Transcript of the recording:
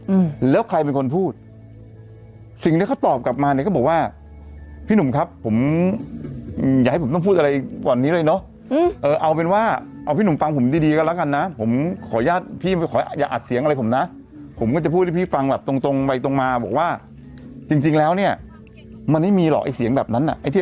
อืมแล้วใครเป็นคนพูดสิ่งที่เขาตอบกลับมาเนี่ยก็บอกว่าพี่หนุ่มครับผมอืมอย่าให้ผมต้องพูดอะไรกว่านี้เลยเนอะอืมเออเอาเป็นว่าเอาพี่หนุ่มฟังผมดีดีก็แล้วกันนะผมขออนุญาตพี่ขออย่าอัดเสียงอะไรผมนะผมก็จะพูดให้พี่ฟังแบบตรงตรงไปตรงมาบอกว่าจริงจริงแล้วเนี้ยมันไม่มีหรอกไอ้เสียงแบบนั้นอ่ะไอ้ที่